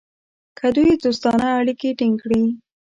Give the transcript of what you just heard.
که دوی دوستانه اړیکې ټینګ کړي.